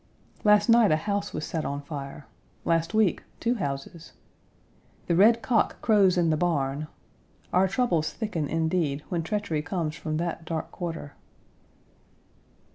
Last night a house was set on fire; last week two houses. "The red cock crows in the barn!" Our troubles thicken, indeed, when treachery comes from that dark quarter.